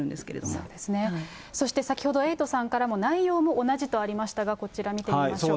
そうですね、そして先ほど、エイトさんからも内容も同じとありましたが、こちら見ていきましょう。